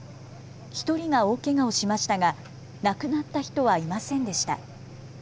１人が大けがをしましたが亡くなった人はいませんでした。